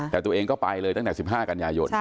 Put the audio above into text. แต่ตัวเองก็ไปเลยตั้งแต่๑๕กันยายน